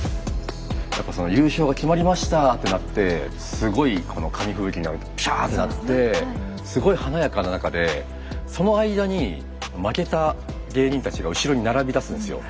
やっぱその優勝が決まりました！ってなってすごいこの紙吹雪がピシャーッてなってすごい華やかな中でその間に負けた芸人たちが後ろに並びだすんですよ。